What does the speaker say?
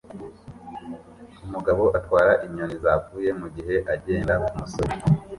Umugabo atwara inyoni zapfuye mugihe agenda kumusozi